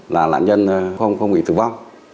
là nạn nhân không bị tử vong